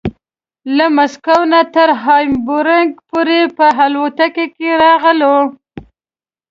له مسکو نه تر هامبورګ پورې په الوتکه کې راغلو.